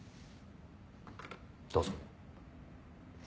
どうぞ。